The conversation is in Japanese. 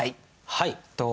はい。